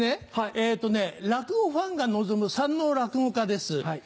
えっと落語ファンが望む三ＮＯ落語家です。